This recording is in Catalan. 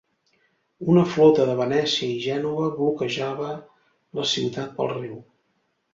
Una flota de Venècia i Gènova bloquejava la ciutat pel riu.